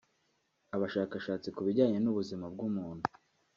Abashakashatsi ku bijyanye n’ubuzima bw’umuntu